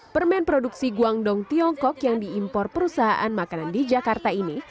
permen produksi guangdong tiongkok yang diimpor perusahaan makanan di jakarta ini